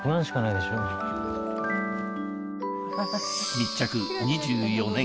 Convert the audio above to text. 密着２４年